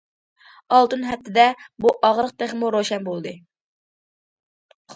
ئالتۇن ھەپتىدە، بۇ ئاغرىق تېخىمۇ روشەن بولدى.